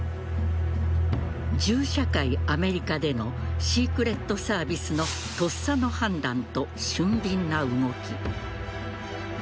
銃社会・アメリカでのシークレットサービスのとっさの判断と俊敏な動き。